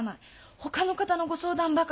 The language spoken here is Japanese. ほかの方のご相談ばかり。